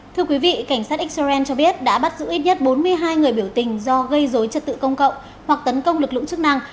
thưa quý vị cảnh sát israel cho biết đã bắt giữ ít nhất bốn mươi hai người biểu tình do gây dối trật tự công cộng hoặc tấn công lực lượng chức năng